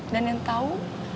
dan yang tahu